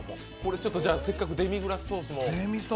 じゃ、せっかくデミグラスソースも。